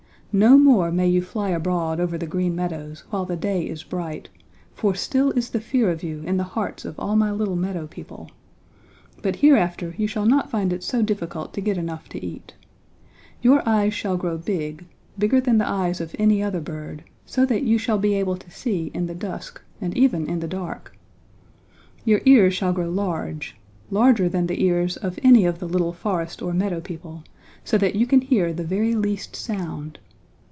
No more may you fly abroad over the Green Meadows while the day is bright, for still is the fear of you in the hearts of all my little meadow people, but hereafter you shall not find it so difficult to get enough to eat. Your eyes shall grow big, bigger than the eyes of any other bird, so that you shall be able to see in the dusk and even in the dark. Your ears shall grow large, larger than the ears of any of the little forest or meadow people, so that you can hear the very least sound.